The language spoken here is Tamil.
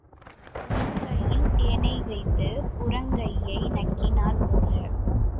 உள்ளங்கையில் தேனை வைத்துப் புறங்கையை நக்கினாற் போல.